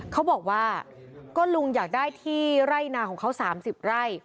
เขาบอกว่าก็ลุงอยากได้ที่ไร่นาของเขา๓๐ไร่